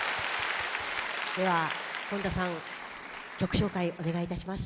では本田さん曲紹介お願いいたします。